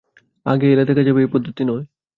আগে এলে আগে যাবে এই পদ্ধতি নয়।